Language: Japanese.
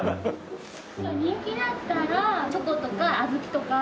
人気だったらチョコとか小豆とか。